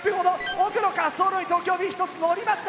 奥の滑走路に東京Ｂ１つのりました！